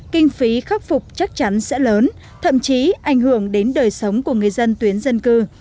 kinh phí khắc phục chắc chắn sẽ lớn thậm chí ảnh hưởng đến đời sống của người dân tuyến dân cư